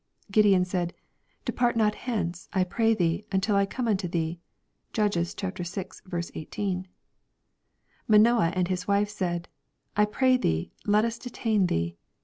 Gideon said, " Depart not hence, I pray thee, until I come unto thee." (Judges vi. 18.) Manoah and his wife said, " I pray thee, let us detain thee."